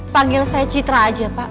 panggil saya citra aja pak